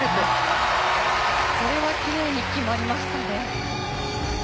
これはきれいに決まりましたね。